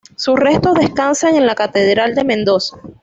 Sus restos descansan en la Catedral de Mendoza.